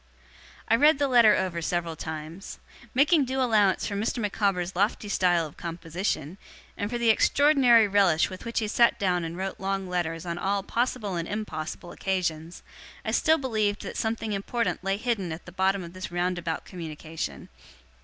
I read the letter over several times. Making due allowance for Mr. Micawber's lofty style of composition, and for the extraordinary relish with which he sat down and wrote long letters on all possible and impossible occasions, I still believed that something important lay hidden at the bottom of this roundabout communication.